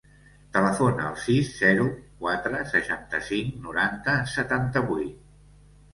Telefona al sis, zero, quatre, seixanta-cinc, noranta, setanta-vuit.